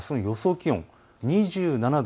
気温、２７度。